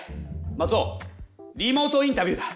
マツオリモートインタビューだ！